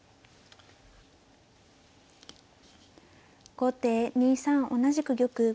後手２三同じく玉。